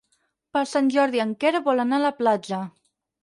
Per Sant Jordi en Quer vol anar a la platja.